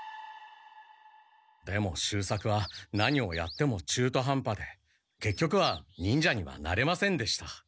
でも秀作は何をやってもちゅーとはんぱでけっきょくは忍者にはなれませんでした。